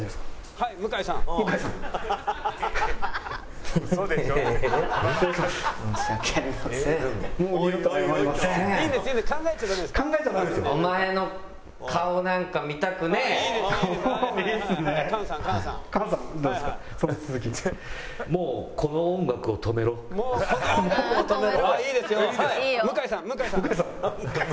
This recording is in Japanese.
はい向井さん向井さん」。